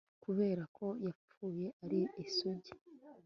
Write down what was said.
kubera ko yapfuye ari isugi